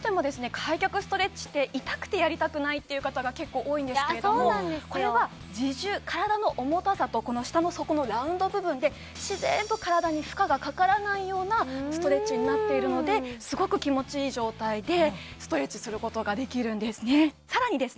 開脚ストレッチって痛くてやりたくないって方が結構多いんですけれどもこれは自重体の重たさとこの下の底のラウンド部分で自然と体に負荷がかからないようなストレッチになっているのですごく気持ちいい状態でストレッチすることができるんですねさらにですね